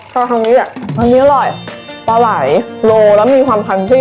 พอทางนี้อ่ะทางนี้อร่อยปลาไหลโลแล้วมีความคันซี่